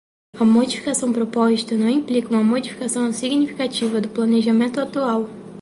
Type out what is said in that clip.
A modificação proposta não implica uma modificação significativa do planejamento atual.